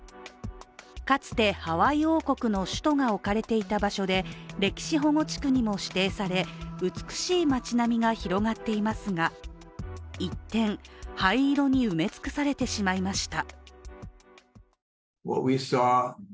かつて、ハワイ王国の首都が置かれていた場所で、歴史保護地区にも指定され美しい街並みが広がっていますが一転、灰色に埋め尽くされてしまいました。